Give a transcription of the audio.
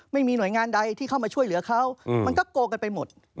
ไม่มีหน่วยงานใดที่เข้ามาช่วยเหลือเขามันก็โกกันไปหมด